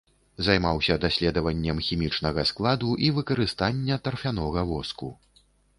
Займаўся даследаваннем хімічнага складу і выкарыстання тарфянога воску.